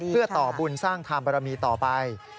เพื่อต่อบุญสร้างธรรมบรมีต่อไป